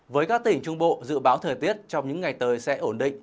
với các tỉnh trung bộ dự báo thời tiết trong những ngày tới sẽ ổn định